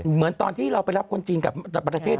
เหมือนตอนที่เราไปรับคนจีนกับประเทศ